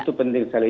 itu penting sekali